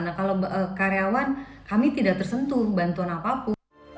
nah kalau karyawan kami tidak tersentuh bantuan apapun